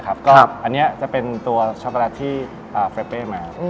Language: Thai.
อันนี้จะเป็นตัวช็อกโกแลตที่เป๊ะเอ๋แพ่งมา